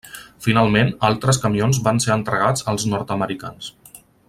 Finalment, altres camions van ser entregats als nord-americans.